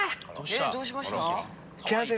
えっどうしました？